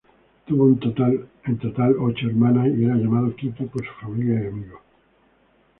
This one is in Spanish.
Tuvo un total ocho hermanas y era llamado "Kitty" por su familia y amigos.